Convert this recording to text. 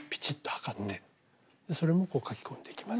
それも書き込んでいきます。